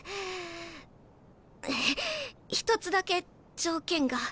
一つだけ条件が。